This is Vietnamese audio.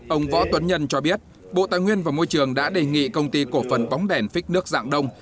ông võ tuấn nhân cho biết bộ tài nguyên và môi trường đã đề nghị công ty cổ phần bóng đèn phích nước dạng đông